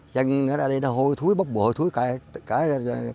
dân ở đây nó hôi thối bốc mùi hôi thối cả cây số vậy đó